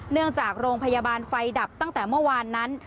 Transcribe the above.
เนื่องจากโรงพยาบาลไฟดับตั้งแต่เมื่อวานนั้น